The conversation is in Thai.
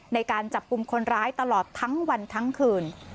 ในการจับกลุ่มคนร้ายตลอดทั้งวันทั้งคืน